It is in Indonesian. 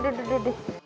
aduh aduh aduh